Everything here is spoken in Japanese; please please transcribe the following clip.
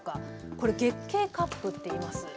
これ、月経カップと言います。